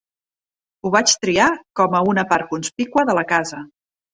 Ho vaig triar com a una part conspícua de la casa.